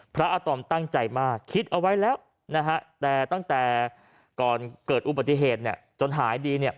พระอาตอมตั้งใจมาคิดเอาไว้แล้วแต่ตั้งแต่ก่อนเกิดอุบัติเหตุจนหายดี